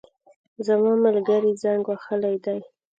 زما ملګري زنګ وهلی دی